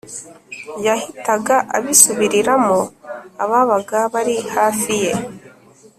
yahitaga abisubiriramo ababaga bari hafi ye.